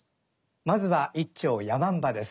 まずは一調「山姥」です。